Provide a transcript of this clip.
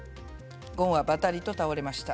ごんはばたりとたおれました。